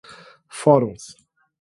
fóruns